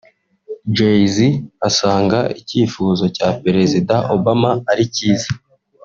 Jay Z asanga icyifuzo cya Perezida Obama ari cyiza